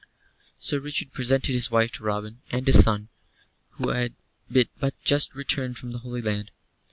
]] Sir Richard presented his wife to Robin, and his son, who had but just returned from the Holy Land.